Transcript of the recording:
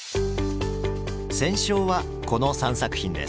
選奨はこの３作品です。